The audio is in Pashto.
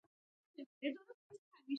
منی د افغانستان د پوهنې نصاب کې شامل دي.